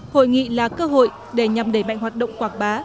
hội nghị là cơ hội để nhằm đẩy mạnh hoạt động quảng bá